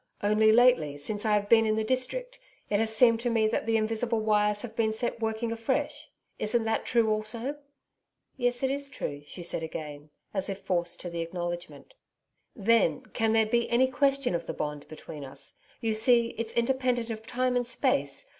'Only lately, since I have been in the district, it has seemed to me that the invisible wires have been set working afresh. Isn't that true also?' 'Yes, it is true,' she said again, as if forced to the acknowledgment. 'Then, can there be any question of the bond between us? You see, it's independent of time and space!